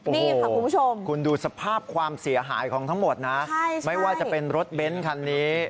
นี่ค่ะคุณผู้ชมคุณดูสภาพความเสียหายของทั้งหมดนะไม่ว่าจะเป็นรถเบ้นคันนี้